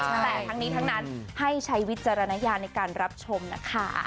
แต่ทั้งนี้ทั้งนั้นให้ใช้วิจารณญาณในการรับชมนะคะ